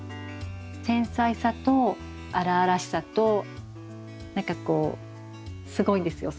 繊細さと荒々しさと何かこうすごいんですよ